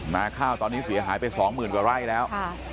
มาข้าวตอนนี้เสียหายไป๒๐๐๐๐กว่าไร่แล้ว